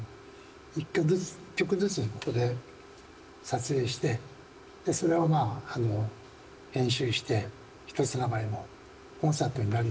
１曲ずつここで撮影してそれをまあ編集してひとつながりのコンサートになるようにしてですね